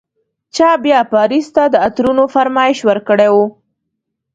چا بیا پاریس ته د عطرونو فرمایش ورکړی و.